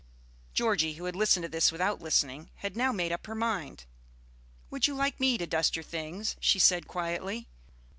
Georgie, who had listened to this without listening, had now made up her mind. "Would you like me to dust your things?" she said quietly.